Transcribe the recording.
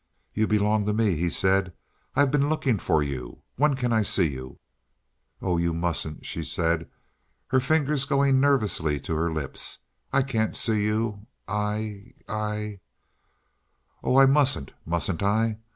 "You belong to me," he said. "I've been looking for you. When can I see you?" "Oh, you mustn't," she said, her fingers going nervously to her lips. "I can't see you—I—I—" "Oh, I mustn't, mustn't I?